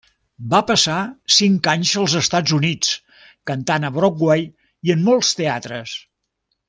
Va passar cinc anys als Estats Units, cantant a Broadway i en molts teatres.